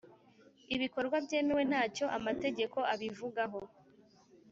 ibikorwa byemewe nta cyo amategeko abivugaho